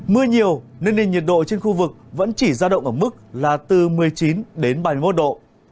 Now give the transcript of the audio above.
mưa nhiều nên nền nhiệt độ trên khu vực vẫn chỉ giao động ở mức là từ một mươi chín đến ba mươi một độ